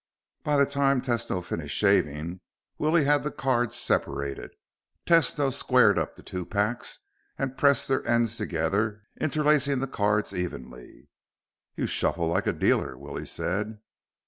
By the time Tesno finished shaving, Willie had the cards separated. Tesno squared up the two packets and pressed their ends together, interlacing the cards evenly. "You shuffle like a dealer," Willie said.